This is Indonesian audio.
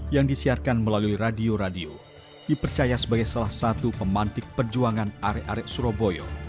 yang disiarkan melalui radio radio dipercaya sebagai salah satu pemantik perjuangan arek arek surabaya